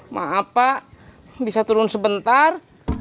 maaf pak bisa turun sebentar